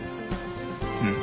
うん。